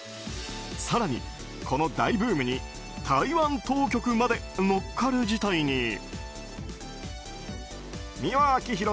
更に、この大ブームに台湾当局まで乗っかる事態に。